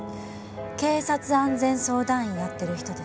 警察安全相談員やってる人でしょ？